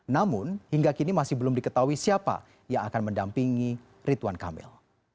namun hingga kini masih belum diketahui siapa yang akan mendampingi ridwan kamil